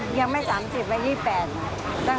๔๐๕๐ปีแล้วมั้ง